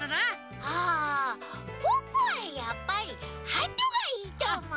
あポッポはやっぱりハトがいいとおもう！